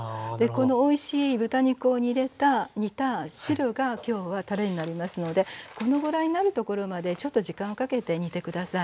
このおいしい豚肉を煮れた煮た汁がきょうはたれになりますのでこのぐらいになるところまでちょっと時間をかけて煮て下さい。